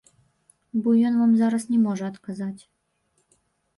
Бо ён вам зараз не можа адказаць.